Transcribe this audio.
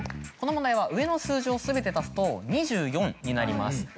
この問題は上の数字を全て足すと２４になります。